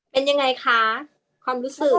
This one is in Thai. เป็นยังไงคะความรู้สึก